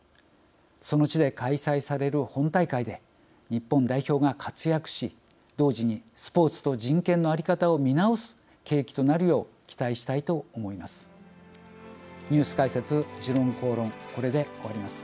その地で開催される本大会で日本代表が活躍し同時にスポーツと人権の在り方を見直す契機となるよう期待したいと思います。